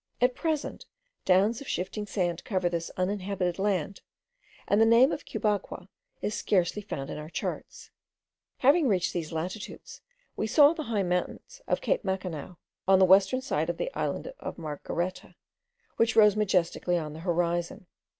At present, downs of shifting sand cover this uninhabited land, and the name of Cubagua is scarcely found in our charts. Having reached these latitudes, we saw the high mountains of Cape Macanao, on the western side of the island of Margareta, which rose majestically on the horizon.